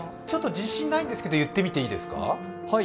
自信ないですけど言ってみていいですか？